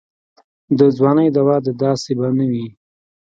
د ځوانۍ دوا دا داسې به نه وي.